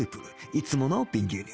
いつもの瓶牛乳